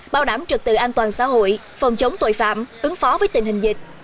bảo đảm trực tự an toàn xã hội phòng chống tội phạm ứng phó với tình hình dịch